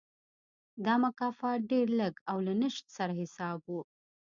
دا مکافات ډېر لږ او له نشت سره حساب و.